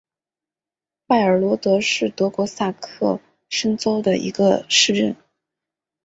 拜尔罗德是德国萨克森州的一个市镇。